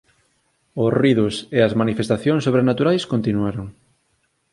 Os ruídos e as manifestacións sobrenaturais continuaron.